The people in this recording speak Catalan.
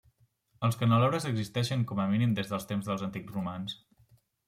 Els canelobres existeixen com a mínim des dels temps dels antics romans.